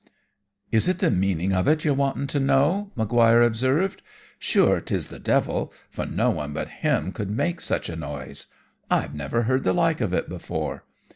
"'Is it the meaning of it you're wanting to know?' Maguire observed. 'Sure 'tis the devil, for no one but him could make such a noise. I've never heard the like of it before.